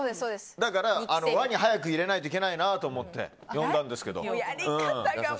だから、輪に早く入れないといけないなと思って呼んだんですけど。